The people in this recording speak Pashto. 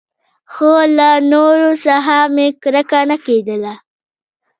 خو له نورو څخه مې کرکه نه کېدله.